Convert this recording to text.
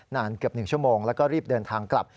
นานเกือบ๑ชั่วโมงแล้วก็รีบเดินทางกลับ